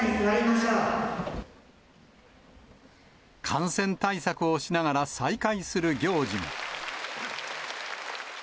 感染対策をしながら再開する行事も。